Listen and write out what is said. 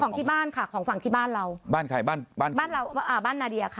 ของที่บ้านค่ะของฝั่งที่บ้านเราบ้านใครบ้านบ้านเราอ่าบ้านนาเดียค่ะ